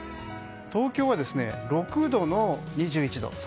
東京は６度の、２１度。